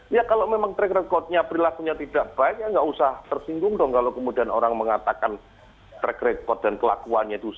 ya kalau memang track recordnya perilakunya tidak baik ya nggak usah tersinggung dong kalau kemudian orang mengatakan track record dan kelakuannya itu